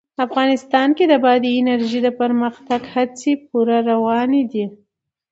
افغانستان کې د بادي انرژي د پرمختګ هڅې پوره روانې دي.